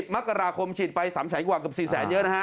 ๑๐มกราคมฉีดไป๓๐๐๐๐๐กว่ากับ๔๐๐๐๐๐เยอะนะฮะ